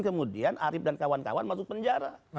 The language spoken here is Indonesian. kemudian arief dan kawan kawan masuk penjara